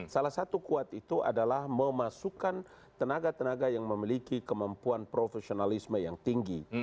salah satu kuat itu adalah memasukkan tenaga tenaga yang memiliki kemampuan profesionalisme yang tinggi